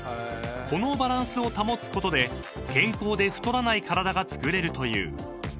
［このバランスを保つことで健康で太らない体がつくれるという］